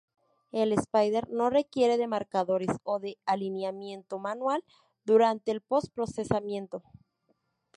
El Spider no requiere de marcadores o de alineamiento manual durante el post procesamiento.